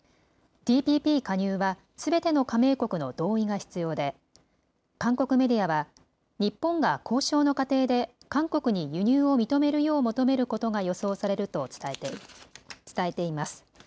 ＴＰＰ加入は、すべての加盟国の同意が必要で韓国メディアは日本が交渉の過程で韓国に輸入を認めるよう求めることが予想されると伝えています。